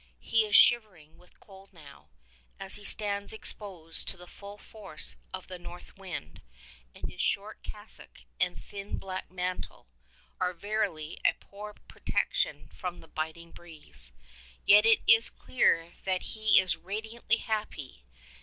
He is shivering with cold now, as he stands exposed to the full force of the north wind, and his short cassock and thin black mantle are verily a poor protection from the biting breeze. Yet it is clear that he is radiantly happy.